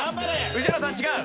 宇治原さん違う！